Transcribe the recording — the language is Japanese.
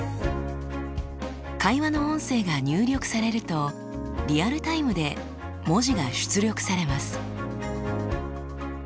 会話の音声が入力されるとリアルタイムで文字が出力されます。